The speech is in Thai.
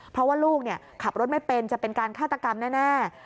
เพราะว่าลูกขับรถไม่เป็นจะเป็นการฆาตกรรมแน่